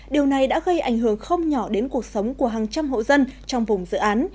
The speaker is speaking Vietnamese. điều này đã gây ảnh hưởng không nhỏ đến cuộc sống của hàng trăm hộ dân trong vùng dự án